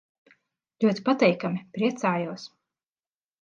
Ļoti patīkami. Priecājos.